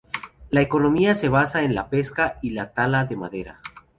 La economía se basa en la pesca y la tala de madera.